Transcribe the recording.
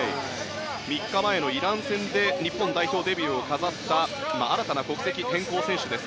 ３日前のイラン戦で日本代表デビューを飾った新たな国籍変更選手です。